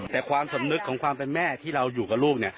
แต่ความสำนึกของความเป็นแม่ที่เราอยู่กับลูก